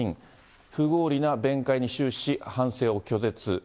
不合理な弁解に終始し、反省を拒絶。